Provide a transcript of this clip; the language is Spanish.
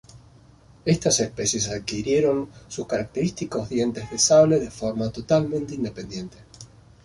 Estas especies adquirieron sus característicos dientes de sable de forma totalmente independiente.